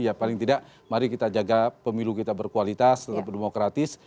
ya paling tidak mari kita jaga pemilu kita berkualitas tetap demokratis